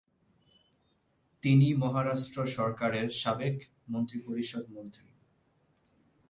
তিনি মহারাষ্ট্র সরকারের সাবেক মন্ত্রিপরিষদ মন্ত্রী।